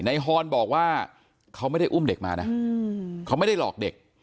ฮอนบอกว่าเขาไม่ได้อุ้มเด็กมานะเขาไม่ได้หลอกเด็ก